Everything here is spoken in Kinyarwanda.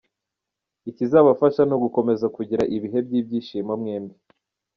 Ikizabafasha ni ugukomeza kugira ibihe by’ibyishimo mwembi.